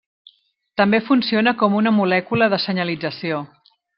També funciona com una molècula de senyalització.